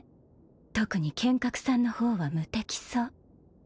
特に剣客さんの方は無敵そう